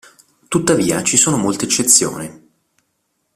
Tuttavia ci sono molte eccezioni.